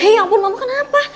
ya ampun mama kenapa